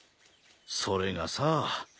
それがさぁ